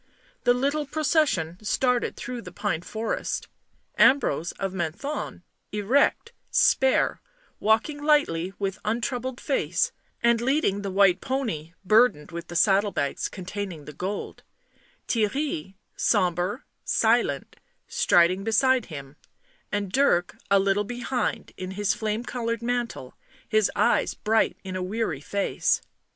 The little procession started through the pine forest ; Ambrose of Menthon, erect, spare, walking lightly with untroubled face and leading the white pony, burdened with the saddle bags containing the gold ; Theirry, sombre, silent, striding beside him, and Dirk, a little behind, in his flame coloured mantle, his eyes bright in a weary face.